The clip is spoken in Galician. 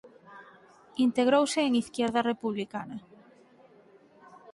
Integrouse en Izquierda Republicana.